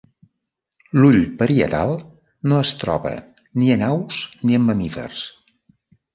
L'ull parietal no es troba ni en aus ni en mamífers.